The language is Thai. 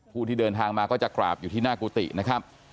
ผู้ที่เดินทางมาก็จะกราบอยู่ที่หน้ากุฏินะครับ